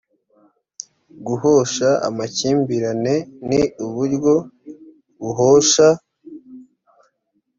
guhosha amakimbirane ni uburyo buhosha